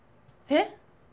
えっ？